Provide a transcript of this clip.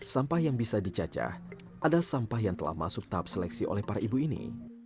sampah yang bisa dicacah adalah sampah yang telah masuk tahap seleksi oleh para ibu ini